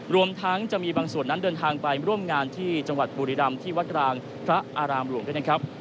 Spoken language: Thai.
รวมทั้งจะมีบางส่วนนั้นเดินทางไปร่วมงานที่จังหวัดบุรีรำที่วัดกลางพระอารามหลวงด้วยนะครับ